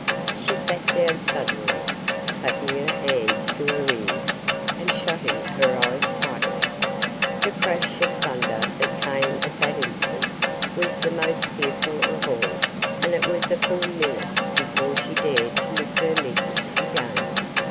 She sat down suddenly, clapping her hands to her ears and shutting her eyes tightly. The crash of thunder that came at that instant was the most fearful of all, and it was a full minute before she dared to lift her lids again.